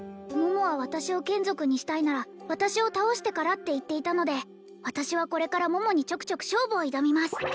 桃は私を眷属にしたいなら私を倒してからって言っていたので私はこれから桃にちょくちょく勝負を挑みます